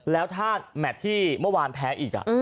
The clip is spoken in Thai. แล้วถ้าแมทที่เมื่อวานแพ้อีก